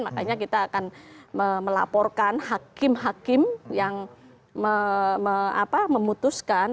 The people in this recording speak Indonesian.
makanya kita akan melaporkan hakim hakim yang memutuskan